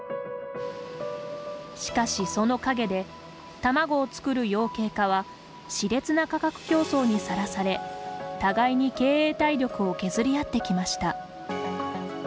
しかしその陰で卵を作る養鶏家はしれつな価格競争にさらされ互いに経営体力を削り合ってきました。